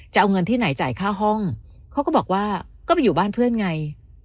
จะเอาเงินที่ไหนจ่ายค่าห้องเขาก็บอกว่าก็ไปอยู่บ้านเพื่อนไง